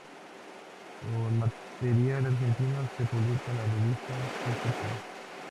Con material argentino, se publican las revistas Sgt.